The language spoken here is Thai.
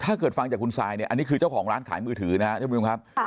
ถ้าเกิดฟังจากคุณซายอันนี้คือเจ้าของร้านขายมือถือนะครับ